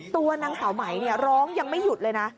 ตัวนางสาวไหมร้องยังไม่หยุดเลยนะ